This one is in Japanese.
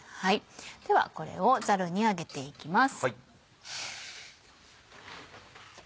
ではこれをザルに上げていきます。